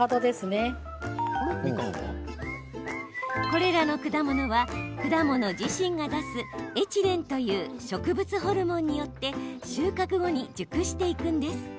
これらの果物は果物自身が出すエチレンという植物ホルモンによって収穫後に熟していくんです。